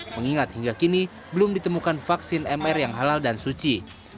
mengingat hingga kini belum ditemukan vaksin mr yang halal dan suci